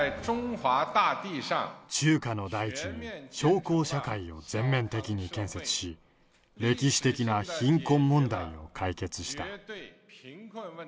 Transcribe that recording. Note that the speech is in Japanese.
中華の大地に小康社会を全面的に建設し、歴史的な貧困問題を解決した。